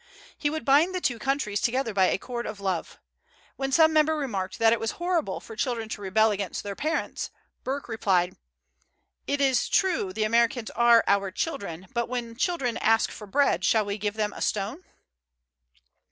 He would bind the two countries together by a cord of love. When some member remarked that it was horrible for children to rebel against their parents, Burke replied: "It is true the Americans are our children; but when children ask for bread, shall we give them a stone?"